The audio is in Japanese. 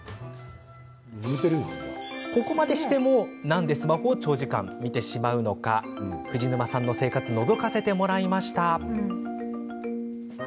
ここまでしても、なんでスマホを長時間見てしまうのか藤沼さんの生活をのぞかせてもらいました。